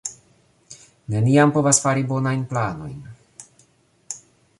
Neniam povas fari bonajn planojn